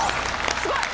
すごい！